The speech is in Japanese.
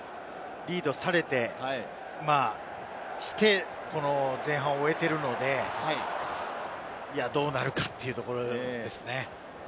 リードして前半を終えているので、どうなるかというところですね。